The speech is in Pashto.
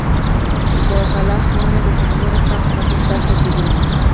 د اپالاش غرونه د شمالي امریکا په ختیځه برخه کې دي.